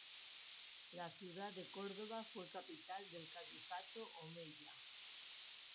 La ciudad de Córdoba fue capital del Califato Omeya.